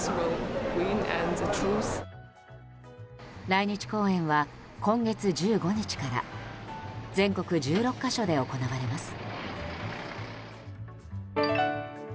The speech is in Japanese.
来日公演は今月１５日から全国１６か所で行われます。